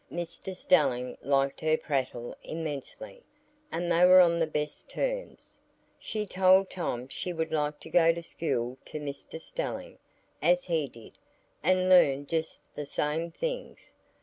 Mr Stelling liked her prattle immensely, and they were on the best terms. She told Tom she should like to go to school to Mr Stelling, as he did, and learn just the same things.